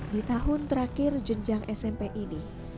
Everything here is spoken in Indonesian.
di tahun terakhir jenjang smpm